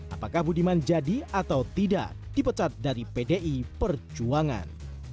apakah budiman jadi atau tidak dipecat dari pdi perjuangan